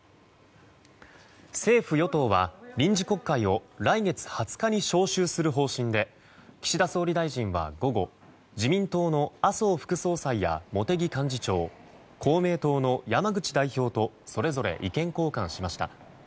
政府・与党は臨時国会を来月２０日に招集する方針で岸田総理大臣は午後自民党の麻生副総裁や茂木幹事長公明党の山口代表とそれぞれ意見交換しました。